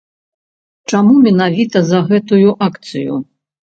Чаму менавіта за гэтую акцыю?